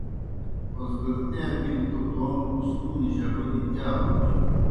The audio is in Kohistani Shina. اوزگرتِیا بِلیْ توْ توموْ اُسکون جگو دیْ اِیا بوجہ۔